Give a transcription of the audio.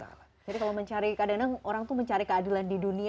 jadi kalau mencari keadilan di dunia